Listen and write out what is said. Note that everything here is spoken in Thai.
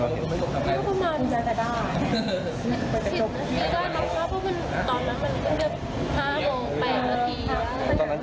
เพราะว่าตอนแรกมันเกือบ๕โมง๘นาที